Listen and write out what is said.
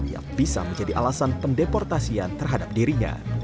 yang bisa menjadi alasan pendeportasian terhadap dirinya